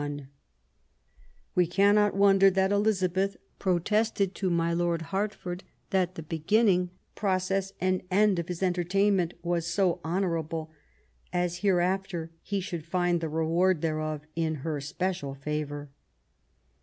THE NEW ENGLAND, 255 We cannot wonder that Elizabeth "protested to my Lord of Hertford that the beginning, process and end of his entertainment was so honourable, as hereafter he should find the reward thereof in her special favour''.